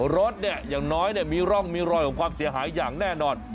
รถเนี่ยอย่างน้อยมีร่องมีรอยของความเสียหายอย่างแน่นอน